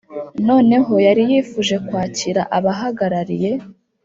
noneho yari yifuje kwakira abahagarariye